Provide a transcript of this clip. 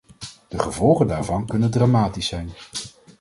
De gevolgen daarvan kunnen dramatisch zijn.